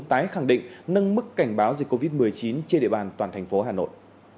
tái khẳng định nâng mức cảnh báo dịch covid một mươi chín trên địa bàn toàn thành phố hà nội